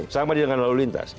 sama dengan lalu lintas